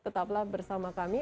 tetaplah bersama kami